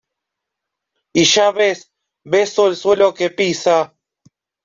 y ya ves, beso el suelo que pisa.